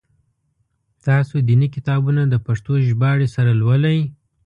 تاسو دیني کتابونه د پښتو ژباړي سره لولی؟